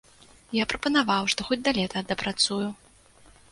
Я прапанаваў, што хоць да лета дапрацую.